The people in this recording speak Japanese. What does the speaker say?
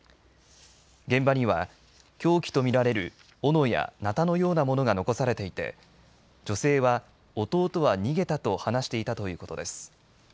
現場には凶器と見られるおのや、なたのようなものが残されていて女性は、弟は逃げたと話していたということです。